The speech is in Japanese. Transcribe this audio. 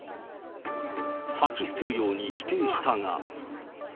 吐き捨てるように否定したが。